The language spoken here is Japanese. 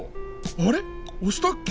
あれおしたっけ？